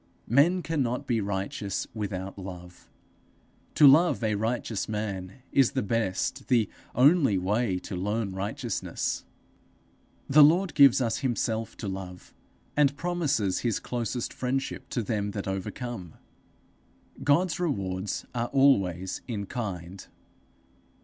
Men cannot be righteous without love; to love a righteous man is the best, the only way to learn righteousness: the Lord gives us himself to love, and promises his closest friendship to them that overcome. God's rewards are always in kind.